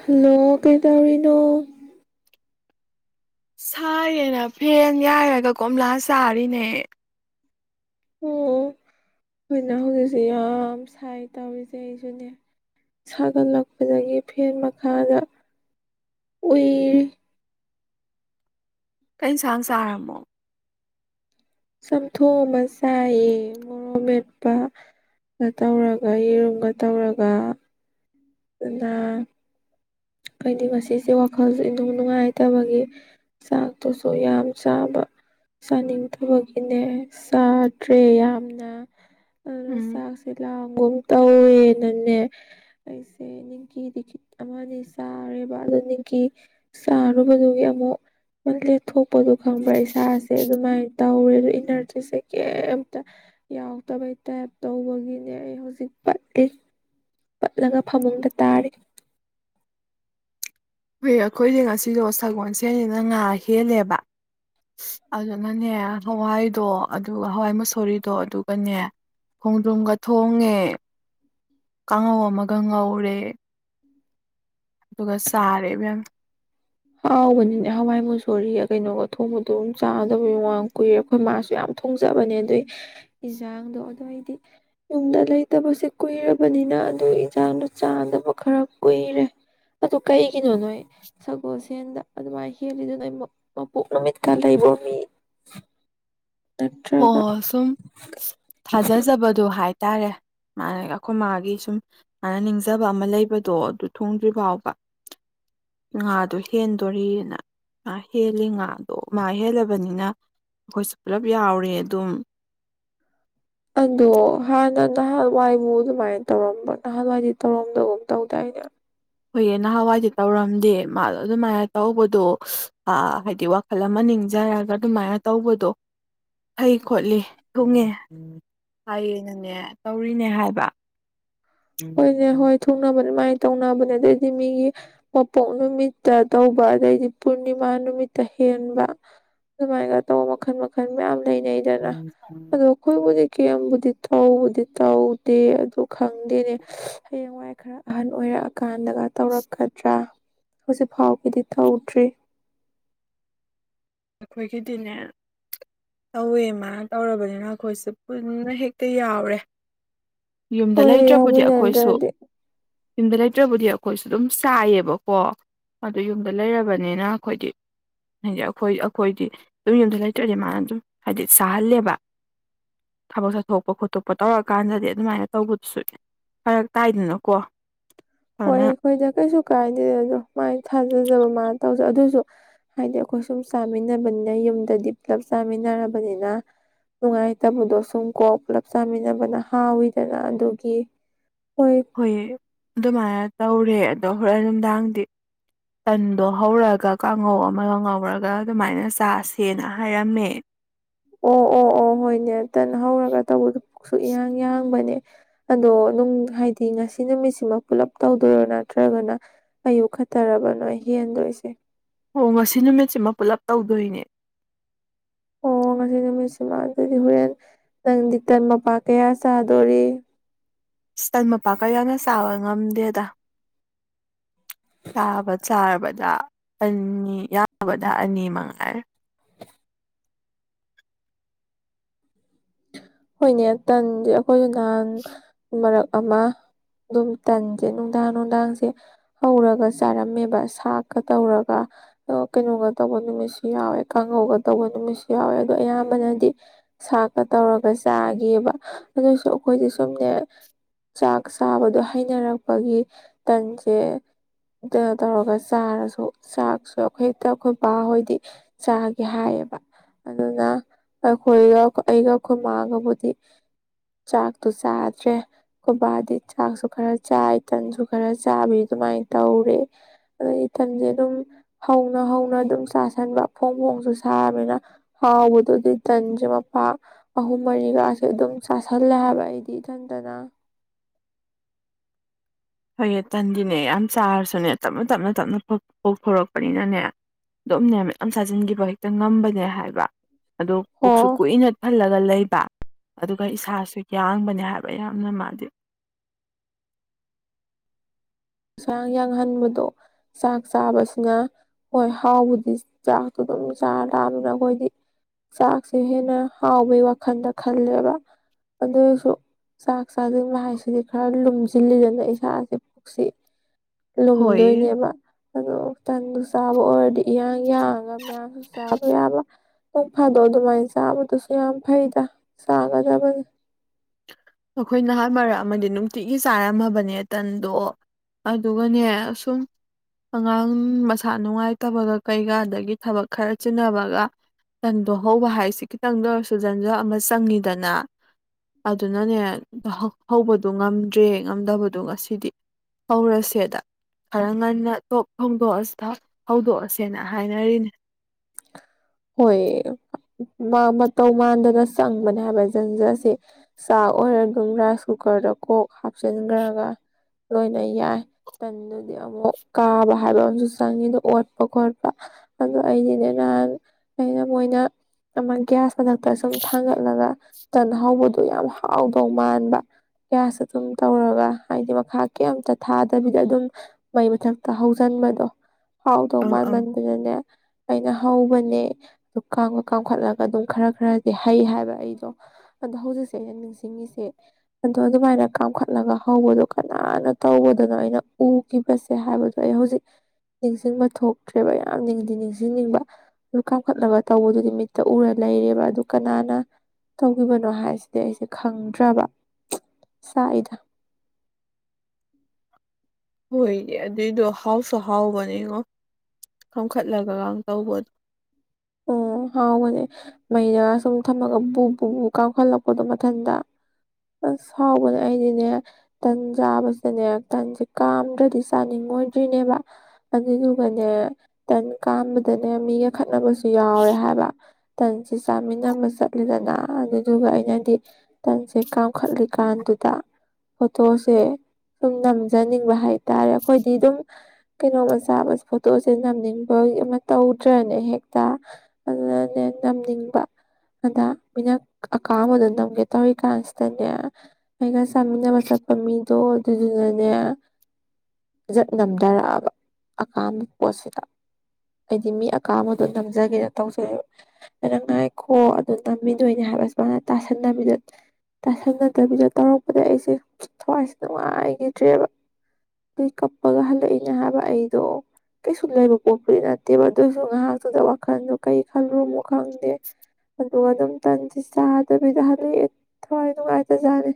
Hello ꯀꯩ ꯇꯧꯔꯤꯅꯣ꯫ ꯁꯥꯥꯏꯌ‌ꯦꯅ ꯐꯦꯟ ꯌꯥꯏꯔꯒ ꯀꯣꯝꯂꯥ ꯆꯥꯔꯤꯅꯦ꯫ ꯑꯣ ꯍꫭꯏꯅ‌ꯦ ꯍꯧꯖꯤꯛꯁꯤ ꯌꯥꯝ ꯁꯥꯏ ꯇꯧꯔꯤꯁꯦ ꯑꯩꯁꯨꯅꯤ ꯁꯥꯒꯠꯂꯛꯄꯗꯒꯤ ꯐꯦꯟ ꯃꯈꯥꯗ ꯎꯏꯔꯤ꯫ ꯀꯩꯟꯁꯥꯡ ꯆꯥꯔꯝꯃꯣ꯫ ꯆꯥꯝꯊꯣꯛ ꯑꯃ ꯆꯥꯏꯌꯦ ꯃꯣꯔꯣꯛ ꯃꯦꯠꯄꯒ ꯇꯧꯔꯒ ꯌꯦꯔꯨꯝꯒ ꯇꯧꯔꯒ꯫ ꯗꯨ ꯅ꯫ ꯑꯩꯗꯨ ꯉꯁꯤꯁꯦ ꯋꯥꯈꯜꯁꯦ ꯏꯅꯨꯡ ꯅꯨꯡꯉꯥꯏꯇꯕꯒꯤ ꯆꯥꯛꯇꯨꯁꯨ ꯌꯥꯝ ꯆꯥꯕ ꯆꯥꯅꯤꯡꯗꯕꯒꯤꯅꯦ ꯆꯥꯗ꯭ꯔꯦ ꯌꯥꯝꯅ꯫ ꯑꯗꯨꯅ ꯎꯝ ꯆꯥꯛꯁ‌ꯦ ꯂꯥꯝ꯫ ꯒꯨꯝ ꯇꯧꯋꯦꯅꯅꯦ ꯑꯩꯁꯦ ꯅꯤꯡꯀꯤꯗꯤ ꯈꯤꯠ ꯑꯃꯅꯤ꯫ ꯆꯥꯔꯦꯕ ꯑꯗꯨ ꯅꯤꯡꯀꯤ ꯆꯥꯔꯨꯕꯗꯨꯒꯤ ꯑꯃꯨꯛ ꯂꯦꯊꯣꯛꯄꯗꫭ ꯈꯪꯕ꯭ꯔꯥ ꯏꯁꯥꯁꯦ ꯑꯗꯨꯃꯥꯏꯅ ꯇꯧꯔꯦ ꯑꯗꯨ ꯏꯅꯔꯖꯤꯁꯦ ꯀꯩꯝꯇ ꯌꯥꯎꯗꯕꯩ ꯇꯥꯏꯞ ꯇꯧꯕꯒꯤꯅꯦ ꯑꯩ ꯍꯧꯖꯤꯛ ꯄꯠꯂꯤ꯫ ꯄꯠꯂꯒ ꯐꯃꯨꯡꯗ ꯇꯥꯔꯤ꯫ ꯑꯈꯣꯏꯗ ꯉꯁꯤꯗꯣ ꯁꯒꯣꯜ ꯁꯦꯟꯅꯤꯅ ꯉꯥ ꯍꯦꯜꯂꯦꯕ ꯑꯗꯨꯅꯅꯦ ꯍꯋꯥꯏꯗꯣ ꯑꯗꯨꯒ ꯍꯋꯥꯏ ꯃꯁꯣꯔꯤꯗꯣ ꯑꯗꯨꯒꯅꯦ ꯈꯣꯡꯗ꯭ꯔꯨꯝꯒ ꯊꯣꯡꯉꯦ ꯀꯥꯡꯉꯧ ꯑꯃꯒ ꯉꯧꯔꯦ꯫ ꯑꯗꯨꯒ ꯆꯥꯔꯦꯕ‌ꯦꯝ꯫ ꯍꯥꯎꯕꯅꯤꯅꯦ ꯍꯋꯥꯏ ꯃꯨꯁꯣꯔꯤꯒ ꯀꯩꯅꯣꯒ ꯊꯣꯡꯕꯗꯣ ꯑꯗꯨꯝ ꯆꯥꯗꯕꯩꯡ ꯀꯨꯏꯔꯦ ꯑꯈꯣꯏ ꯃꯥꯁꯨ ꯌꯥꯝ ꯊꯣꯡꯖꯕꯅꯦ ꯑꯗꯨꯏ ꯌꯦꯟꯖꯥꯡꯗꯣ ꯑꯗꯨꯗ ꯑꯩꯗꯤ ꯌꯨꯝꯗ ꯂꯩꯇꯕꯁꯦ ꯀꯨꯏꯔꯕꯅꯤꯅ ꯑꯗꯨ ꯌꯦꯟꯁꯥꯡꯗꯣ ꯆꯥꯗꯕ ꯈꯔ ꯀꯨꯏꯔꯦ ꯑꯗꯨ ꯀꯩꯒꯤꯅꯣ ꯅꯣꯏ꯫ ꯁꯒꯣꯜꯁꯦꯟꯗ ꯑꯗꯨꯃꯥꯏꯅ ꯍꯦꯜꯂꯤꯗꯨꯅ ꯃꯄꯣꯛ ꯅꯨꯃꯤꯠꯀ ꯂꯩꯕ꯭ꯔꫭ ꯃꯤ꯫ ꯅꯠꯇ꯭ꯔꯒ ꯍꯣꯏ ꯁꯨꯝ ꯊꯥꯖꯖꯕꯗꯣ ꯍꯥꯏ ꯍꯥꯏꯇꯥꯔꯦ ꯃꯥ ꯑꯩꯈꯣꯏ ꯃꯥꯒꯤ ꯁꯨꯝ ꯃꯥꯅ ꯅꯤꯡꯖꯕ ꯑꯃ ꯂꯩꯕꯗꯣ ꯑꯗꯨ ꯊꯨꯡꯗ꯭ꯔꯤ ꯐꯥꯎꯕ ꯉꯥꯗꯣ ꯍꯦꯟꯗꯣꯔꯤꯅ ꯃꯥ ꯍꯦꯜꯂꯤ ꯉꯥꯗꯣ ꯃꯥ ꯍꯦꯜꯂꯕꯅꯤꯅ ꯑꯩꯈꯣꯏꯁꯨ ꯄꯨꯂꯞ ꯌꯥꯎꯔ ꯑꯗꯨꯝ ꯑꯗꯣ ꯍꯥꯟꯅ ꯅꯍꯥꯟꯋꯥꯏꯕꯨ ꯑꯗꯨꯃꯥꯏꯅ ꯇꯧꯔꯝꯕ ꯅꯍꯥꯟꯋꯥꯏꯗꯤ ꯇꯧꯔꯝꯗꯒꯨꯝ ꯇꯧꯗꯥꯏꯅꯦ ꯍꯣꯏꯌꯦ ꯅꯍꯥꯟꯋꯥꯏꯗꯤ ꯇꯧꯔꯝꯗꯦ ꯃꯥꯗꯣ ꯑꯗꯨꯃꯥꯏꯅ ꯇꯧꯕꯗꯣ ꯍꯥꯏꯗꯤ ꯋꯥꯈꯜ ꯑꯃ ꯅꯤꯡꯖꯔꯒ ꯑꯗꯨꯃꯥꯏꯅ ꯇꯧꯕꯗꯣ ꯐꯩ ꯈꯣꯠꯂꯤ ꯊꯨꯡꯉꯦ ꯍꯥꯏꯌꯦꯅꯅꯦ ꯇꯧꯔꯤꯅꯦ ꯍꯥꯏꯕ ꯍꯣꯏꯅꯦꯦ ꯍꯣꯏ ꯊꯨꯅꯕꯅꯦ ꯃꯥꯏ ꯇꯧꯅꯕꯅꯦ ꯑꯗꯩꯗꯤ ꯃꯤꯒꯤ ꯃꯄꯣꯛ ꯅꯨꯃꯤꯠꯇ ꯇꯧꯕ ꯑꯗꯩꯗꯤ ꯄꯨꯔꯅꯤꯃꯥ ꯅꯨꯃꯤꯠꯇ ꯍꯦꯟꯕ ꯑꯗꯨꯃꯥꯏꯅꯒ ꯇꯧꯕ ꯃꯈꯜ ꯃꯈꯜ ꯃꯌꯥꯝ ꯅꯗꯅ ꯑꯗꯣ ꯑꯩꯈꯣꯏꯕꯨꯗꯤ ꯀꯦꯝꯕꯨꯗꯤ ꯇꯧꯕꯗꯤ ꯇꯧꯗꯦ ꯑꯗꯨ ꯈꯪꯗꯦꯅꯦ ꯆꯦꯡꯋꯥꯏ ꯈꯔ ꯑꯍꯟ ꯑꯣꯏꯔꯛꯑꯀꯥꯟꯗꯒ ꯇꯧꯔꯛꯀꯗ꯭ꯔꯥ ꯍꯧꯖꯤꯛ ꯐꯥꯎꯒꯤꯗꯤ ꯇꯧꯗ꯭ꯔꯤ ꯑꯩꯈꯣꯏꯒꯤꯗꯤꯅꯦ ꯇꯧꯋꯦ ꯃꯥꯅ ꯇꯧꯔꯕꯅꯤꯅ ꯑꯩꯈꯣꯏꯁꯦ ꯄꯨꯟꯅ ꯍꯦꯛꯇ ꯌꯥꯎꯔꯦ ꯌꯨꯝꯗ ꯍꯣꯏ ꯂꯩꯇ꯭ꯔꯕꯨꯗꯤ ꯑꯩꯈꯣꯏꯁꯨ ꯌꯥꯎꯃꯤꯟꯅꯗ꯭ꯔꯗꯤ ꯌꯨꯝꯗ ꯂꯩꯇ꯭ꯔꯕꯨꯗꯤ ꯑꯩꯈꯣꯏꯁꯨ ꯑꯗꯨꯝ ꯆꯥꯏꯌꯦꯕꯀꯣ ꯑꯗꯨ ꯌꯨꯝꯗ ꯂꯩꯔꯕꯅꯤꯅ ꯑꯩꯈꯣꯏꯗꯤ ꯍꯥꯏꯗꯤ ꯑꯩꯈꯣꯏ ꯑꯩꯈꯣꯏꯗꯤ ꯌꯨꯝ ꯌꯨꯝꯗ ꯂꯩꯇ꯭ꯔꯗꯤ ꯃꯥꯅ ꯑꯗꯨꯝ ꯍꯥꯏꯗꯤ ꯁꯥꯍꯜꯂꯦꯕ ꯊꯕꯛ ꯆꯠꯊꯣꯛꯄ ꯈꯣꯠꯇꯣꯛꯄ ꯇꯧꯔꯀꯥꯟꯗꯗꯤ ꯑꯗꯨꯃꯥꯏꯅ ꯇꯧꯕꯗꯨꯁꯨ ꯐꯔꯛ ꯇꯥꯏꯗꯅꯀꯣ ꯍꯣꯏ ꯑꯗꯨꯅ ꯑꯩꯈꯣꯏꯗ ꯀꯩꯁꯨ ꯀꯥꯏꯗꯦ ꯑꯗꯣ ꯃꯥꯏ ꯊꯥꯖꯖꯕ ꯃꯥꯅ ꯇꯧ ꯑꯗꯨꯁꯨ ꯍꯥꯏꯗꯤ ꯑꯩꯈꯣꯏ ꯁꯨꯝ ꯆꯥꯃꯤꯟꯅꯕꯅꯤꯅ ꯌꯨꯝꯗꯗꯤ ꯄꯨꯂꯞ ꯆꯥꯃꯤꯟꯅꯔꯕꯅꯤꯅ ꯅꯨꯡꯉꯥꯏꯇꯕꯗꯣ ꯁꯨꯝ ꯀꯣ ꯄꯨꯂꯞ ꯆꯥꯃꯤꯟꯅꯕꯅ ꯍꯥꯎꯋꯤꯗꯅ ꯑꯗꯨꯒꯤ ꯍꯣꯏ ꯑꯗꯨꯃꯥꯏ ꯇꯧꯔꯦ ꯑꯗꯣ ꯍꯣꯔꯦꯟ ꯅꯨꯡꯗꯥꯡꯗꯤ ꯇꯟꯗꯣ ꯍꯧꯔꯒ ꯀꯥꯡꯉꯧ ꯑꯃꯒ ꯉꯧꯔꯒ ꯑꯗꯨꯃꯥꯏꯅ ꯆꯥꯁꯦꯅ ꯍꯥꯏꯔꯝꯃꯦ ꯑꯣ ꯑꯣ ꯑꯣ ꯍꯣꯏꯅꯦꯇꯅ ꯍꯧꯔꯒ ꯇꯧꯕꯗꯨ ꯁꯨꯛ ꯏꯍꯥꯡ ꯌꯥꯍꯥꯡꯕꯅꯦ ꯑꯗꯣ ꯅꯨꯡ ꯍꯥꯏꯗꯤ ꯉꯁꯤ ꯅꯨꯃꯤꯠꯁꯤꯃꯛ ꯄꯨꯂꯞ ꯇꯧꯗꯣꯏꯔꯣ ꯅꯠꯇ꯭ꯔꯒꯅ ꯑꯌꯨꯛ ꯈꯠꯇꯔꯕ ꯅꯣꯏ ꯍꯦꯟꯗꯣꯏꯁꯦ ꯑꯣ ꯉꯁꯤ ꯅꯨꯃꯤꯠꯁꯤꯃ ꯄꯨꯂꯞ ꯇꯧꯗꯣꯏꯅꯦ ꯑꯣ ꯉꯁꯤ ꯅꯨꯃꯤꯠꯁꯤꯃ ꯑꯗꯨꯗꯤ ꯍꯣꯔꯦꯟ ꯅꯪ ꯗꯤ ꯇꯟ ꯃꯄꯥꯛ ꯀꯌꯥ ꯆꯥꯗꯣꯔꯤ ꯏꯁꯇꯟ ꯃꯄꯥꯛꯀ ꯌꯥꯝꯅ ꯆꯥꯕ ꯉꯝꯗꯦꯗ ꯆꯥꯕ ꯆꯥꯕꯗ ꯑꯅꯤ ꯌꯥꯕꯗ ꯑꯅꯤ ꯃꯉꯥꯏ ꯍꯣꯏꯅꯦ ꯇ ꯑꯩꯈꯣꯏ ꯉꯍꯥꯡ ꯃꯔꯛ ꯑꯃ ꯑꯗꯨꯝ ꯇꯟꯁꯦ ꯅꯨꯡꯗꯥꯡ ꯅꯨꯡꯗꯥꯡꯁꯦ ꯍꯧꯔꯒ ꯆꯥꯔꯝꯃꯦꯕ ꯁꯥꯛꯀ ꯇꯧꯔꯒ ꯀꯩꯅꯣꯒ ꯇꯧꯕ ꯅꯨꯃꯤꯠꯁꯨ ꯌꯥꯎꯋꯦ ꯀꯥꯡꯉꯧꯒ ꯇꯧꯕ ꯅꯨꯃꯤꯠꯁꯨ ꯌꯥꯎꯋꯦ ꯑꯗꯣ ꯑꯌꯥꯝꯕꯅꯗꯤ ꯁꯥꯛ ꯇꯧꯔꯒ ꯆꯥꯈꯤꯕ ꯑꯗꯨꯁꯨ ꯑꯩꯈꯣꯏꯗꯤ ꯁꯨꯝꯅꯦ ꯆꯥꯛ ꯆꯥꯕꯗꯣ ꯍꯩꯅꯔꯛꯄꯒꯤ ꯇꯟꯁꯦ ꯀꯩꯅꯣ ꯇꯧꯔꯒ ꯆꯥꯔꯁꯨ ꯆꯥꯛꯁꯨ ꯑꯩꯈꯣꯏ ꯍꯦꯛꯇ ꯑꯩꯈꯣꯏ ꯕꯥꯍꯣꯏꯗꯤ ꯆꯥꯒꯦ ꯍꯥꯏꯌꯦꯕ ꯑꯗꯨꯅ ꯑꯩꯈꯣꯏꯒ ꯑꯩꯒ ꯈꯨꯣꯏꯃꯥꯒꯕꯨꯗꯤ ꯆꯥꯛꯇꯣ ꯆꯥꯗ꯭ꯔꯦ ꯈꯨꯣꯏꯕꯥꯗꯤ ꯆꯥꯛꯁꯨ ꯈꯔ ꯆꯥꯏ ꯇꯟꯁꯨ ꯈꯔ ꯆꯥꯕꯤ ꯑꯗꯨꯃꯥꯏꯅ ꯇꯧꯔꯦ ꯑꯗꯩꯊꯟꯁꯦ ꯑꯗꯨꯝ ꯍꯧꯅ ꯍꯧꯅ ꯑꯗꯨꯝ ꯆꯥꯁꯟꯕ ꯐꯣꯡ ꯐꯣꯡꯁꯨ ꯁꯥꯕꯅꯤꯅ ꯍꯥꯎꯕꯗꯨꯗꯤ ꯇꯟꯁꯦ ꯂꯨꯄꯥ ꯑꯍꯨꯝ ꯃꯔꯤꯒꯥꯁꯦ ꯑꯗꯨꯝ ꯆꯥꯥꯁꯜꯂꯦ ꯍꯥꯏꯕ ꯑꯩꯗꯤ ꯏꯊꯟꯇꯅ ꯍꯣꯏꯌꯦ ꯇꯟꯒꯤꯅꯦ ꯌꯥꯝ ꯆꯥꯔꯁꯨꯅꯦ ꯇꯞꯅ ꯇꯞꯅ ꯇꯞꯅ ꯄꯣꯛꯊꯣꯔꯛꯄꯅꯤꯅꯅꯦ ꯑꯗꯨꯝꯅꯦ ꯃ ꯌꯥꯝ ꯆꯥꯁꯤꯟꯈꯤꯕ ꯍꯦꯛꯇ ꯉꯝꯕꯅꯦ ꯍꯥꯏꯕ ꯑꯗꯣ ꯑꯣ ꯀꯛꯁꯨ ꯀꯨꯏꯅ ꯊꯜꯂꯒ ꯂꯩ ꯑꯗꯨꯒ ꯏꯁꯥꯁꯨ ꯌꯥꯡꯕꯅꯦ ꯍꯥꯏꯕ ꯌꯥꯝꯅ ꯃꯥꯜꯂꯤ ꯍꯁꯥꯡ ꯌꯥꯡꯍꯟꯕꯗꯣ ꯆꯥꯛ ꯆꯥꯕꯁꯤꯅ ꯍꯣꯏ ꯍꯥꯎꯕꯗꯤ ꯆꯥꯛꯇꯣ ꯑꯗꯨꯝ ꯆꯥꯔꯔꯛꯑꯅꯤꯅ ꯑꯩꯈꯣꯏꯗꯤ ꯆꯥꯛꯁꯦ ꯍꯦꯟꯅ ꯍꯥꯎꯕꯩ ꯋꯥꯈꯜꯗ ꯈꯜꯂꯦꯕ ꯑꯗꯨꯁꯨ ꯆꯥꯛ ꯆ ꯃꯍ ꯍꯥꯏꯁꯤꯗꯤ ꯈꯔ ꯂ ꯆꯤꯜꯂꯤꯖꯅ ꯏꯁꯥꯁꯦ ꯄꯨꯣꯛꯁꯤ ꯍꯣꯏꯌꯦ ꯂꯨꯝꯗꯣꯏꯅꯦꯕ ꯑꯗꯨ ꯇꯪꯗꯨ ꯆꯥꯕ ꯑꯣꯏꯔꯗꯤ ꯏꯟ ꯏꯒ ꯃꯁꯨ ꯁꯥꯕ ꯋꯥ ꯄꯨꯡ ꯐꯩꯗꯣ ꯑꯗꯨꯃꯥꯏꯅ ꯆꯥꯕꯗꯁꯨ ꯌꯥꯝ ꯐꯩꯗ ꯆꯥꯒꯗꯕꯅꯤ ꯑꯩꯈꯣꯏ ꯅꯍꯥꯟ ꯃꯔꯛ ꯑꯃꯗꯤ ꯅꯨꯡꯇꯤꯛꯒꯤ ꯆꯥꯔꯝꯃꯕꯅꯦ ꯇꯟꯗꯣ ꯑꯗꯨꯒꯅꯦ ꯁꯨꯝ ꯑꯉꯥꯡ ꯃꯁꯥ ꯅꯨꯡꯉꯥꯏꯇꯕꯒ ꯀꯩꯒ ꯑꯗꯒꯤ ꯊꯕꯛ ꯈꯔ ꯆꯤꯟꯅꯕꯒ ꯇꯟꯗꯣ ꯍꯧꯕ ꯍꯥꯏꯁꯤ ꯈꯤꯇꯪꯗ ꯑꯣꯏꯔꯁꯨ ꯖꯟꯖ ꯑꯃ ꯆꯪꯉꯤꯗꯅ ꯑꯗꯨꯅꯅꯦ ꯍꯧꯕꯗꯨ ꯉꯝꯗ꯭ꯔꯦ ꯉꯝꯗꯕꯗꯣ ꯉꯁꯤꯗꯤ ꯍꯧꯔꯁꯦꯗ ꯈꯔ ꯉꯟꯅ ꯊꫭꯛ ꯊꫭꯡꯗꯣꯛꯑ ꯍꯧꯗꯣꯛꯑꯁꯦꯅ ꯍꯥꯏꯅꯔꯤꯅꯦ ꯍꯣꯏ ꯃꯥ ꯃꯇꯧ ꯃꯥꯟꯗꯅ ꯆꯪꯕꯅꯦ ꯍꯥꯏꯕ ꯖꯟꯖ ꯁꯦ ꯆꯥꯛ ꯑꯣꯏꯔ ꯑꯗꯨꯝ ꯔꯥꯏꯁ ꯀꯨꯀꯔꯗ ꯀꯣꯛ ꯍꯥꯞꯆꯟꯒ꯭ꯔꯒ ꯂꯣꯏꯅ ꯌꯥꯏ ꯇꯟꯗꯨꯗꯤ ꯑꯃꯨꯛ ꯀꯥꯕ ꯍꯥꯏꯕ ꯑꯃꯁꯨ ꯆꯪꯉꯤꯗꫭ ꯑꯣꯠꯄ ꯈꯣꯠꯄ ꯑꯗꫭ ꯑꯩꯗꯤꯅꯦ ꯅꯍꯥꯟ ꯑꯩꯅ ꯃꯣꯏꯅ ꯑꯃ ꯒꯌꯥꯁ ꯃꯊꯛꯇ ꯁꯨꯝ ꯊꯥꯡꯒꯠꯂꯒ ꯇꯟ ꯍꯧꯕꯗꯣ ꯌꯥꯝ ꯍꯥꯎꯗꯧ ꯃꯥꯟꯕ ꯒꯤꯒꯌꯥꯁꯇ ꯑꯗꯨꯨꯝ ꯇꯧꯔꯒ ꯍꯥꯏꯗꯤ ꯃꯈꯥ ꯀꯩꯝꯇ ꯊꯥꯗꯕꯤꯗ ꯑꯗꯨꯝ ꯃꯩ ꯃꯊꯛꯇ ꯍꯧꯁꯤꯟꯕꯗꯣ ꯍꯥꯎꯗꯧ ꯑꯪ ꯃꯥꯟ ꯑꯪ ꯃꯟꯒꯤꯗꯅ ꯑꯩꯅ ꯍꯧꯕꯅꯦ ꯑꯗꯨ ꯀꯥꯝꯒ ꯀꯥꯝꯈꯠꯂꯒ ꯑꯗꯨꯝ ꯈꯔ ꯈꯔꯗꯤ ꯍꯩ ꯍꯥꯏꯕ ꯑꯩꯗꯣ ꯑꯗꯣ ꯍꯧꯖꯤꯛꯁꯦ ꯑꯩꯅ ꯅꯤꯡꯁꯤꯡꯉꯤꯁꯦ ꯑꯗꯨꯏ ꯗꯨꯃꯥꯏꯅ ꯀꯥꯝꯈꯠꯂꯒ ꯍꯧꯕꯗꯣ ꯀꯅꯥꯅ ꯇꯧꯕꯗꯅꯣ ꯑꯩꯅ ꯎꯈꯤꯕꯁꯦ ꯍꯥꯏꯕꯗꯣ ꯑꯩ ꯍꯧꯖꯤꯛ ꯅꯤꯡꯁꯤꯡꯕ ꯊꯣꯛꯇ꯭ꯔꯦꯕ ꯌꯥꯝ ꯅꯤꯡꯗꯤ ꯅꯤꯡꯁꯤꯡꯅꯤꯡꯕ ꯀꯥꯝꯈꯠꯂꯒ ꯇꯧꯕꯗꯨꯗꯤ ꯃꯤꯠꯇ ꯎꯔ ꯂꯩꯔꯦꯕ ꯑꯗꯨ ꯀꯅꯥꯅ ꯇꯧꯈꯤꯕꯅꯣ ꯍꯥꯏꯁꯤꯗꯤ ꯑꯩꯁꯦ ꯈꯪꯗ꯭ꯔꯕ ꯆꯥꯛꯏꯗ ꯍꯣꯏꯅꯦ ꯑꯗꯨꯏꯗꯣ ꯍꯥꯎꯁꯨ ꯍꯥꯎꯕꯅꯤꯉꯣ ꯀꯝꯈꯠꯂꯒ ꯒꯥꯟ ꯇꯧꯕꯗꯣ ꯑꯣ ꯍꯥꯎꯕꯅꯦ ꯃꯩꯩꯅ ꯁꯨꯝ ꯊꯝꯃꯒ ꯕꯨ ꯕꯨꯕꯨ ꯀꯥꯝꯈꯠꯂꯛꯄꯗꯣ ꯃꯊꯟꯗ ꯑꯁ ꯍꯥꯎꯕꯅꯦ ꯑꯩꯗꯤꯅꯦ ꯇꯟ ꯆꯥꯕꯁꯤꯅꯦ ꯇꯟꯁꯦ ꯀꯥꯝꯗ꯭ꯔꯗꯤ ꯆꯥꯅꯤꯡꯉꯣꯏꯗ꯭ꯔꯤꯅꯦꯕ ꯑꯗꯨꯗꯨꯒꯅꯦ ꯇꯟ ꯀꯥꯝꯕꯗꯅꯦ ꯃꯤꯒ ꯈꯠꯅꯕꯁꯨ ꯌꯥꯎꯔꯦ ꯍꯥꯏꯕ ꯇꯟꯁꯦ ꯆꯥꯃꯤꯟꯅꯕ ꯆꯠꯂꯦꯗꯅ ꯑꯗꯨꯗꯨꯒ ꯑꯩꯅꯗꯤ ꯇꯟꯁꯦ ꯀꯥꯝꯈꯠꯂꯤ ꯀꯥꯟꯗꯨꯗ ꯐꯣꯇꯣꯁꯦ ꯁꯨꯝ ꯅꯝꯖꯅꯤꯡꯕ ꯍꯥꯏꯇꯥꯔꯦ ꯑꯩꯈꯣꯏꯗꯤ ꯑꯗꯨꯝ ꯀꯩꯅꯣꯝꯃ ꯆꯥꯕꯁꯦ ꯐꯣꯇꯣꯁꯦ ꯅꯝꯖꯅꯤꯡꯕ ꯑꯃ ꯇꯧꯗ꯭ꯔꯅꯦ ꯍꯦꯛ ꯇ ꯑꯗꯨꯅꯅꯦ ꯅꯝꯅꯤꯡꯕ ꯑꯗ ꯃꯤꯅ ꯑꯀꯥꯝꯕꯗꯣ ꯅꯝꯒꯦ ꯇꯧꯔꯤꯀꯥꯟꯁꯤꯗꯅꯦ ꯑꯩꯒ ꯆꯥꯃꯤꯟꯅꯕ ꯆꯠꯄ ꯃꯤꯗꯣ ꯑꯗꯨꯗꯨꯅꯅꯦ ꯖꯛ ꯅꯝꯙꯔꯛꯑꯕ ꯑꯀꯥꯝꯕ ꯄꯣꯠꯁꯤꯗ ꯑꯩꯗꯤ ꯃꯤ ꯑꯀꯥꯝꯕꯗ ꯑꯗꯨ ꯅꯝꯖꯒꯦꯅ ꯇꯧꯖꯩꯕ ꯑꯩꯅ ꯉꯥꯏꯈꯣ ꯑꯗꯨ ꯅꯝꯒꯤꯗꯣꯏꯅꯦ ꯍꯥꯏꯕ ꯑꯁ ꯃꯥꯅ ꯇꯥꯁꯟꯅꯕꯤꯗ ꯇꯥꯁꯟꯅꯗꯕꯤꯗ ꯇꯧꯔꯛꯄꯗ ꯑꯩꯁꯦ ꯊꯋꯥꯏꯁꯦ ꯅꯨꯡꯉꯥꯏꯘꯤꯗ꯭ꯔꯦꯕ ꯑꯗꯨꯏ ꯀꯞꯄꯒ ꯍꯜꯂꯛꯏꯅꯦ ꯍꯥꯏꯕ ꯑꯩꯗꯣ ꯀꯩꯁꯨꯛ ꯂꯩꯕ ꯄꯣꯠꯄꯨꯗꯤ ꯅꯠꯇꯦꯕ ꯑꯗꯨ ꯑꯣꯏꯁꯨ ꯉꯥꯏꯍꯥꯛ ꯗꯨꯗ ꯋꯥꯈꯟꯗꯣ ꯀꯩ ꯈꯟ ꯔꯨꯃꯨꯛ ꯈꯪꯗꯦ ꯑꯗꯨꯒ ꯑꯗꯨꯝ ꯇꯟꯁꯤ ꯆꯥꯗꯕꯤꯗ ꯍꯜꯂꯛꯑꯦ ꯊꯋꯥꯏ ꯅꯨꯡꯉꯥꯏꯇ ꯖꯥꯠꯅꯤ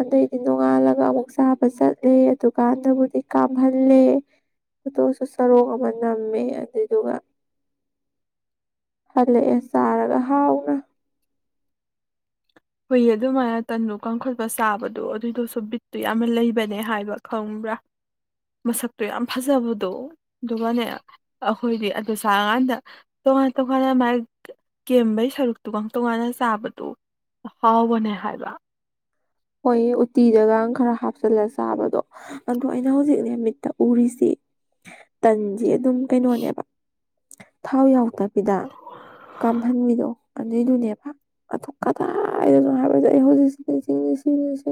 ꯑꯗꯨꯏꯗꯤ ꯅꯣꯡꯉꯥꯜꯂꯒ ꯑꯃꯨꯛ ꯆꯥꯕ ꯆꯠꯂꯦ ꯑꯗꯨꯀꯥꯟꯗꯕꯨꯗꯤ ꯀꯥꯝꯍꯜꯂꯦ ꯐꫭꯇꯣꯁꯨ ꯆꯔꯣꯛ ꯑꯃ ꯅꯝꯃꯦ ꯑꯗꯨꯗꯨꯒ ꯍꯜꯂꯛꯑꯦ ꯆꯥꯔꯒ ꯍꯔꯥꯎꯅ ꯀꯨꯏꯔꯦ ꯑꯗꯨꯃꯥꯏꯅ ꯇꯟꯗꯨꯨ ꯀꯥꯝꯈꯠꯄ ꯆꯥꯕꯗꯣ ꯑꯗꯨꯗꯨꯁꯨ ꯕꯤꯠꯇꯨ ꯌꯥꯝꯅ ꯂꯩꯕꯅꯦ ꯍꯥꯏꯕ ꯈꯪꯕ꯭ꯔꯥ ꯃꯁꯛꯇꯣ ꯌꯥꯝ ꯐꯖꯕꯗꯣ ꯑꯗꯨꯒꯅꯦ ꯑꯩꯈꯣꯏꯗꯤ ꯑꯗꯨ ꯆꯥꯔꯀꯥꯟꯗ ꯇꯣꯉꯥꯟꯅ ꯇꯣꯉꯥꯟꯅ ꯃꯥꯥꯏ ꯀꯦꯝꯕꯩ ꯁꯔꯨꯛꯇꯨꯒ ꯇꯣꯉꯥꯟꯅ ꯆꯥꯕꯗꯣ ꯍꯥꯎꯕꯅꯦ ꯍꯥꯏꯕꯥ ꯍꯣꯏ ꯎꯇꯤꯗꯒ ꯈꯔ ꯍꯥꯞꯆꯜꯂ ꯆꯥꯕꯗꯣ ꯑꯗꯣ ꯑꯩꯅ ꯍꯧꯖꯤꯛꯅꯦ ꯃꯤꯠꯇ ꯎꯔꯤꯁꯤ ꯇꯟꯁꯤ ꯑꯗꯨꯝ ꯀꯩꯅꯣꯅꯦꯕ ꯊꯥꯎ ꯌꯥꯎꯗꯕ ꯗ ꯀꯥꯝꯍꯟꯕꯤꯗꯣ ꯑꯗꯨꯏꯗꯨꯅꯦꯕ ꯑꯗꯨ ꯀꯗꯥꯏꯗꯅꯣ ꯍꯥꯏꯕꯁꯦ ꯑꯩ ꯍꯧꯖꯤꯛꯁꯦ ꯅꯤꯁꯤꯡꯉꯤꯁꯦ ꯁꯤꯒꯤꯁꯤ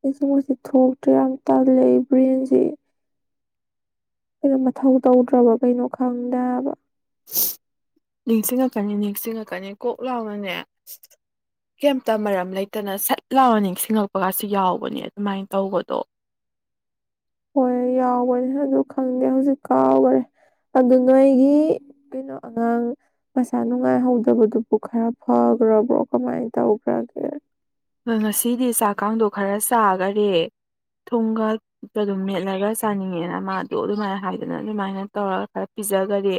ꯅꯤꯡꯁꯤꯡꯕꯁꯦ ꯊꯣꯛꯇ꯭ꯔ ꯍꯥꯏꯕ ꯌꯥꯝ ꯇꯥꯜꯂꯦ ꯑꯩꯒꯤ ꯕ꯭ꯔꯦꯟꯁꯤ ꯀꯩꯅꫭ ꯃꯊꯧ ꯇꯧꯗ꯭ꯔꯕ ꯀꯩꯅꯣ ꯈꯪꯗꯦ ꯍꯥꯏꯕ ꯅꯤꯡꯁꯤꯡꯉꯛꯀꯅꯤ ꯅꯤꯡꯁꯤꯡꯉꯛꯀꯅꯤ ꯀꯣꯛ ꯂꯥꯎꯅꯅꯦ ꯀꯩꯝꯇ ꯃꯔꯝ ꯂꯩꯇꯅ ꯁꯠ ꯂꯥꯎꯅ ꯅꯤꯡꯁꯤꯡꯉꯛꯄꯒꯁꯨ ꯌꯥꯎꯕꯅꯦ ꯑꯗꯨꯃꯥꯏꯅ ꯇꯧꯕꯗꯣ ꯍꯣꯏ ꯌꯥꯎꯕꯅꯤ ꯑꯗꯨ ꯈꯪꯗꯦ ꯍꯧꯖꯤꯛ ꯀꯥꯎꯒꯔꯦ ꯑꯗꯨ ꯅꯣꯏꯒꯤ ꯀꯩꯅꯣ ꯑꯉꯥꯡ ꯃꯩꯁꯥ ꯅꯨꯡꯉꯥꯏꯍꯧꯗꯕꯗꯨꯕꯨ ꯈꯔ ꯐꯒ꯭ꯔꯕ꯭ꯔꯣ ꯀꯃꯥꯏꯅ ꯇꯧꯒ꯭ꯔꯒꯦ ꯑ ꯉꯁꯤꯗꯤ ꯆꯥꯛ ꯀꯥꯡꯗꯣ ꯈꯔ ꯆꯥꯈꯔꯦ ꯊꯨꯝꯒ ꯑꯗꯨꯝ ꯃꯦꯠꯂꯒ ꯆꯥꯅꯤꯡꯉꯦꯅ ꯃꯥꯗꯣ ꯑꯗꯨꯃꯥꯏꯅ ꯍꯥꯏꯗꯅ ꯑꯗꯨꯃꯥꯏꯅ ꯇꯧꯔꯒ ꯈꯔ ꯄꯤꯖꯈꯔꯦ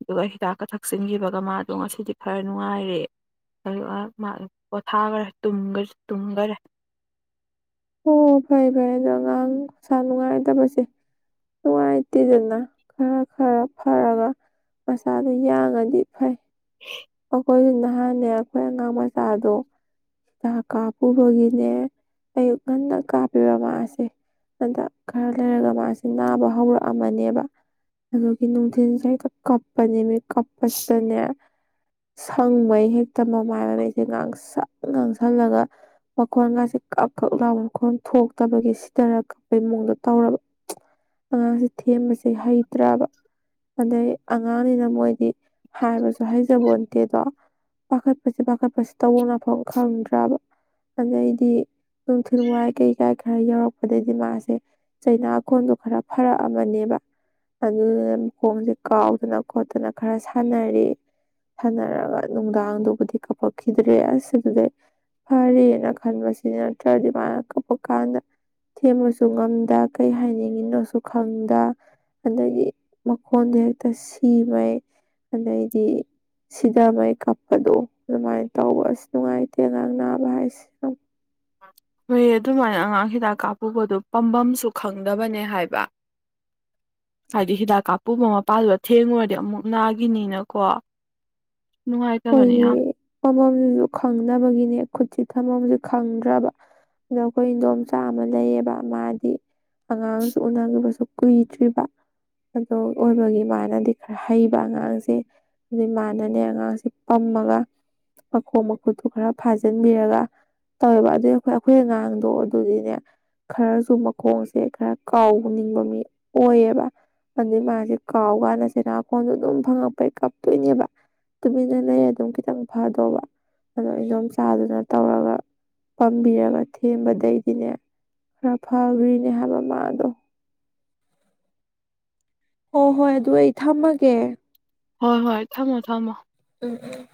ꯑꯗꯨꯒ ꯍꯤꯗꯥꯛꯀ ꯊꯛꯆꯤꯟꯈꯤꯕꯒ ꯃꯥꯗꯣ ꯉꯁꯤꯗꯤ ꯈꯔ ꯅꯨꯡꯉꯥꯏꯔꯦ ꯑꯗꯨꯒ ꯃꯥ ꯄꯣꯊꯥꯒ꯭ꯔꯦ ꯇꯨꯝꯒꯁꯨ ꯇꯨꯝꯒꯔꯦ ꯑꯣ ꯐꯩ ꯐꯩ ꯑꯗꯣ ꯑꯉꯥꯡ ꯃꯁꯥ ꯅꯨꯡꯉꯥꯏꯇꯕꯁꯦ ꯅꯨꯡꯉꯥꯏꯇꯦꯗꯅ ꯈꯔ ꯈꯔ ꯐꯔꯒ ꯃꯁꯥꯗꫭ ꯌꯥꯡꯉꯗꯤ ꯐꯩ ꯑꯈꫭꯏꯒꯤ ꯅ ꯅꯍꯥꯟꯅꯦ ꯑꯩꯈꯣꯏ ꯑꯉꯥꯡ ꯃꯆꯥꯗꯣ ꯍꯤꯗꯥꯛ ꯀꯥꯞꯄꯨꯕꯒꯤꯅꯦ ꯑꯌꯨꯛ ꯉꯟꯅ ꯀꯥꯞꯄꯦꯕ ꯃꯥꯁꯦ ꯍꯟꯗꯛ ꯈꯔ ꯂꯩꯔꯒ ꯃꯥꯁꯦ ꯅꯥꯕ ꯍꯧꯔꯛ ꯑꯝꯃꯅꯦꯕ ꯑꯗꯨꯒꯤ ꯅꯨꯡꯊꯤꯟꯁꯦ ꯍꯦꯛꯇ ꯀꯞꯄꯅꯦꯃꯤ ꯀꯄꯁꯤꯗꯅꯦ ꯁꯪꯕꯩ ꯍꯦꯛꯇ ꯃꯃꯥꯏ ꯃꯃꯤꯠꯁꯦ ꯉꯥꯡꯁꯪ ꯉꯥꯡꯁꯜꯂꯒ ꯃꯈꯣꯟꯒꯥꯁꯦ ꯀꯛ ꯀꯛ ꯂꯥꯎ ꯃꯈꯣꯟ ꯊꯣꯛꯇꯕꯒꯤ ꯁꯤꯊꯔ ꯀꯛꯄꯩ ꯃꯑꯣꯡꯗꯣ ꯇꯧꯔꯕ ꯑꯉꯥꯡꯁꯦ ꯊꯦꯝꯕꯁꯦ ꯍꯩꯇ꯭ꯔꯕ ꯑꯗꯩ ꯑꯉꯥꯡꯅꯤꯅ ꯃꯣꯏꯗꯤ ꯍꯥꯏꯕꯁꯨ ꯍꯩꯖꯕꯣꯟ ꯇꯦꯗꯣ ꯄꯥꯈꯠꯄꯁꯦ ꯄꯥꯈꯠꯄꯁꯦ ꯇꯧꯚꯝ ꯂꯥꯛꯐꯝ ꯈꯪꯗ꯭ꯔꯕ ꯑꯗꯩꯗꯤ ꯅꯨꯡꯊꯤꯜ ꯋꯥꯏ ꯀꯩꯀꯥꯏ ꯈꯔ ꯌꯧꯔꯛꯄꯗꯩꯗꯤ ꯃꯥꯁꯦ ꯆꯩꯅꯥꯀꯣꯟꯗꯣ ꯈꯔ ꯐꯔꯛ ꯑꯝꯃꯅꯦꯕ ꯑꯗꯨꯅ ꯃꯈꯣꯡꯁꯦ ꯀꯥꯎꯗꯅ ꯈꯣꯠꯇꯅ ꯈꯔ ꯁꯥꯟꯅꯔꯦ ꯁꯥꯟꯅꯔꯒ ꯅꯨꯡꯗꯥꯡꯗꯨꯕꯨꯗꯤ ꯀꯞꯄꯛꯈꯤꯗ꯭ꯔꯦ ꯑꯁ ꯑꯗꯨꯗ ꯐꯔꯦꯅ ꯈꯪꯕꯁꯤ ꯅꯠꯇ꯭ꯔꯗꯤ ꯃꯥꯅ ꯀꯞꯄꯀꯥꯟꯗ ꯊꯦꯝꯕꯁꯨ ꯉꯝꯗ ꯀꯩ ꯍꯥꯏꯅꯤꯡ ꯃꯤꯅꯣꯁꯨ ꯈꯪꯗ ꯑꯗꯩꯗꯒꯤ ꯃꯈꯣꯟꯗꯣ ꯍꯦꯛꯇ ꯁꯤꯃꯩ ꯑꯗꯩꯗꯤ ꯁꯤꯗ ꯃꯩ ꯀꯞꯄꯗꯣ ꯑꯗꯨꯃꯥꯏꯅ ꯇꯧꯕ ꯑꯁ ꯅꯨꯡꯉꯥꯏꯇꯦ ꯑꯥꯡ ꯅꯥꯕ ꯍꯥꯏꯁꯤ ꯍꯣꯏ ꯑꯗꯨꯃꯥꯏꯅ ꯑꯉꯥꯡ ꯍꯤꯗꯥꯛ ꯀꯥꯞꯄꯨꯕꯗꯣ ꯄꯥꯝꯕꯝꯁꯨ ꯈꯪꯗꯕꯅꯦ ꯍꯥꯏꯕ ꯍꯥꯏꯗꯤ ꯍꯤꯗꯥꯛ ꯀꯥꯞꯄꯨꯕ ꯃꯄꯥꯗꯣ ꯊꯦꯡꯉꯨꯔꯗꯤ ꯑꯃꯨꯛ ꯅꯥꯘꯤꯅꯤꯅꯀꯣ ꯍꯣꯏꯌꯦ ꯃꯃꯝꯗꯁꯨ ꯈꯪꯅꯕꯒꯤꯅꯦ ꯈꯨꯠ ꯊꯝꯕꯝꯁꯦ ꯈꯪꯗ꯭ꯔꯕ ꯑꯗꯣ ꯑꯩꯈꯣꯏ ꯏꯗꯣꯝꯆꯥ ꯑꯃ ꯂꯩꯌꯦꯕ ꯃꯥꯗꯤ ꯑꯉꯥꯡꯁꯨ ꯎꯅꯈꯤꯕꯁꯨ ꯀꯨꯏꯗ꯭ꯔꯤꯕ ꯑꯗꯨ ꯑꯣꯏꯕꯒꯤ ꯃꯥꯅꯗꯤ ꯈꯔ ꯍꯩꯕ ꯑꯉꯥꯡꯁꯦ ꯑꯗꯩ ꯃꯥꯅꯅꯦ ꯑꯉꯥꯡꯁꯦ ꯄꯝꯃꯒ ꯃꯈꯣꯡ ꯃꯈꯨꯠꯇꯨ ꯈꯔ ꯐꯥꯖꯤꯟꯕꯤꯔꯒ ꯇꯧꯋꯦꯕ ꯑꯗꯨ ꯑꯩꯈꯣꯏ ꯑꯩꯈꯣꯏ ꯑꯉꯥꯡꯗꯣ ꯑꯗꯨꯗꯤꯅꯦ ꯈꯔꯁꯨ ꯃꯈꯣꯡꯁꯦ ꯈꯔ ꯀꯥꯎꯅꯤꯡꯕ ꯃꯤ ꯑꯣꯏꯌꯦꯕ ꯑꯗꯨꯩ ꯃꯥꯁꯦ ꯀꯥꯎꯀꯥꯟꯗ ꯆꯩꯅꯥꯈꯣꯟꯗꯣ ꯑꯗꯨꯝ ꯐꯪꯉꯛꯄꯩ ꯀꯥꯞꯇꯣꯏꯅꯦꯕ ꯑꯗꯨꯝ ꯈꯤꯇꯪ ꯐꯗꯧꯕ ꯑꯗꯣ ꯏꯖꯣꯝ ꯆꯥꯗꯨꯅ ꯇꯧꯔꯒ ꯄꯥꯝꯕꯤꯔꯒ ꯊꯦꯝꯕꯗꯩꯗꯤꯅꯦ ꯈꯔ ꯐꯈ꯭ꯔꯤꯅꯦ ꯍꯥꯏꯕ ꯃꯥꯗꯣ ꯍꯣ ꯍꯣꯏ ꯑꯗꯨ ꯑꯩ ꯊꯝꯃꯒꯦ ꯍꯣꯏ ꯍꯣꯏ ꯊꯝꯃꯣ ꯊꯝꯃꯣ ꯎꯝ ꯎ